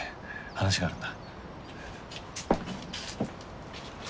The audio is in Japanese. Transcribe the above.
話があるんだ。